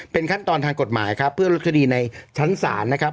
เป็นขั้นตอนทางกฎหมายครับเพื่อลดคดีในชั้นศาลนะครับ